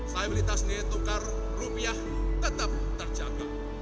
stabilitasnya tukar rupiah tetap terjaga